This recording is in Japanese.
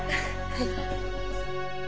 はい。